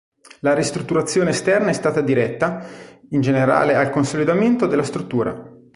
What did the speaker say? La ristrutturazione esterna è stata diretta, in generale al consolidamento della struttura.